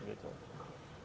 maka sebenarnya dia kalah gitu